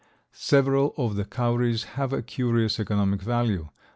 Several of the cowries have a curious economic value.